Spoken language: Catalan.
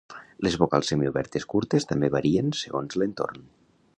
Les vocals semiobertes curtes també varien segons l'entorn.